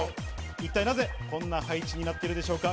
一体なぜこんな配置になっているんでしょうか？